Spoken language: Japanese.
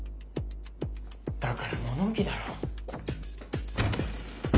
だから物置だろ。